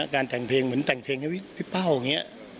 การแต่งเพลงเหมือนแต่งเพลงให้พี่เป้าอย่างนี้